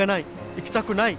行きたくない。